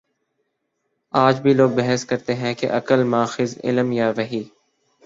آج بھی لوگ بحث کرتے ہیں کہ عقل ماخذ علم یا وحی؟